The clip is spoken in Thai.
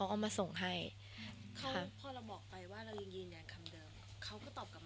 กับการตัดสินใจของเรา